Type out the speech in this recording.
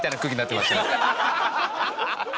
ハハハハハ！